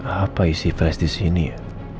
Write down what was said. apa isi plesdis ini ya